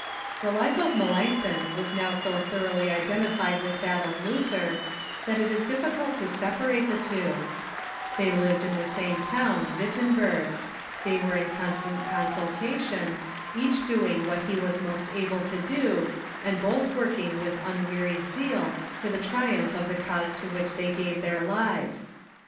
The life of Melanchthon was now so thoroughly identified with that of Luther that it is difficult to separate the two. 230 THE BEFOKMATION Tliey lived in the same town, Wittenberg. They were in con stant consultation, each doing what he Avas most able to do, and both working with unwearied zeal for the triumph of the cause to which they gave their lives.